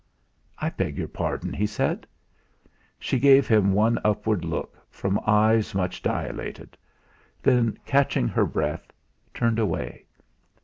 "I beg your pardon," he said. She gave him one upward look, from eyes much dilated; then, catching her breath, turned away.